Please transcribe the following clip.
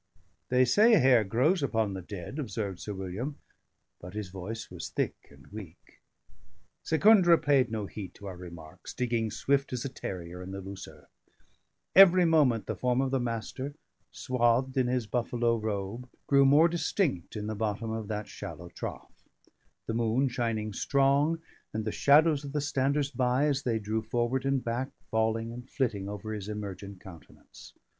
"They say hair grows upon the dead," observed Sir William; but his voice was thick and weak. Secundra paid no heed to our remarks, digging swift as a terrier in the loose earth. Every moment the form of the Master, swathed in his buffalo robe, grew more distinct in the bottom of that shallow trough; the moon shining strong, and the shadows of the standers by, as they drew forward and back, falling and flitting over his emergent countenance.